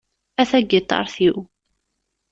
A tagiṭart-iw...